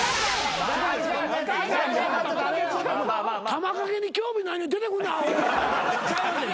玉掛けに興味ないのに出てくんなアホ！